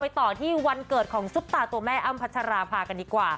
ต่อที่วันเกิดของซุปตาตัวแม่อ้ำพัชราภากันดีกว่า